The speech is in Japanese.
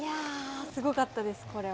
すごかったです、これは。